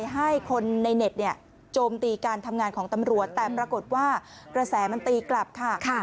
ให้คนในเน็ตเนี่ยโจมตีการทำงานของตำรวจแต่ปรากฏว่ากระแสมันตีกลับค่ะ